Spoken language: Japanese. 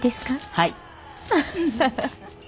はい。